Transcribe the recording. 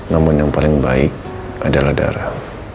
namun yang paling baik adalah darah